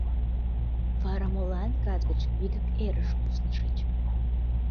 — Вара молан кас гыч вигак эрыш куснышыч?